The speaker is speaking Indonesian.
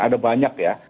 ada banyak ya